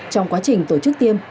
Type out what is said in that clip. trong quá trình tổ chức tiêm